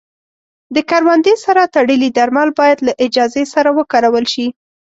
د کروندې سره تړلي درمل باید له اجازې سره وکارول شي.